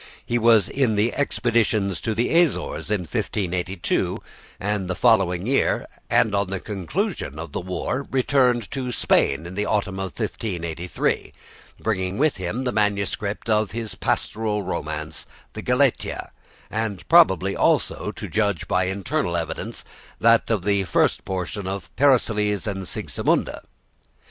He was in the expeditions to the Azores in 1582 and the following year, and on the conclusion of the war returned to Spain in the autumn of 1583, bringing with him the manuscript of his pastoral romance, the "Galatea," and probably also, to judge by internal evidence, that of the first portion of "Persiles and Sigismunda."